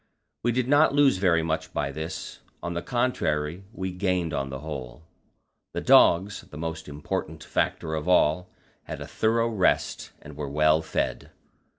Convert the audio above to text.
We did not lose very much by this; on the contrary, we gained on the whole. The dogs the most important factor of all had a thorough rest, and were well fed.